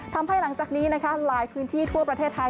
หลังจากนี้นะคะหลายพื้นที่ทั่วประเทศไทย